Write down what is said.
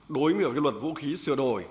đối với luật vũ khí sửa đổi